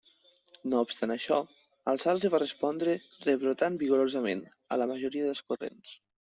No obstant això, el salze va respondre rebrotant vigorosament a la majoria dels corrents.